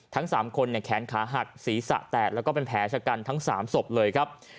ทั้ง๓คนแขนขาหักศีรษะแตกแล้วก็เป็นแผลชะกันทั้ง๓ศพเลยครับ